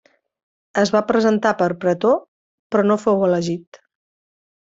Es va presentar per pretor però no fou elegit.